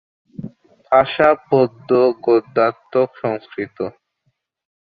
ভাষা পদ্য-গদ্যাত্মক সংস্কৃত।